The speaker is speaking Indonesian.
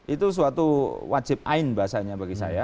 itu suatu wajib ain bahasanya bagi saya